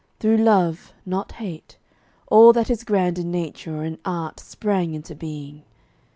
Through love, not hate, All that is grand in nature or in art Sprang into being.